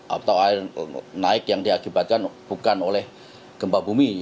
atau air naik yang diakibatkan bukan oleh gempa bumi